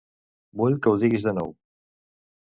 Vull que ho diguis de nou.